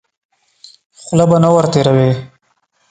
خوله به نه ور تېروې.